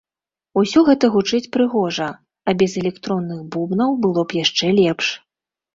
Усё гэта гучыць прыгожа, а без электронных бубнаў было б яшчэ лепш.